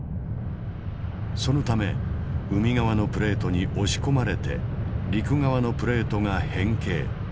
そのため海側のプレートに押し込まれて陸側のプレートが変形。